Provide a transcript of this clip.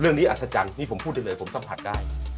เรื่องนี้อัศจรรย์นี่ผมพูดได้เลยผมสัมผัสได้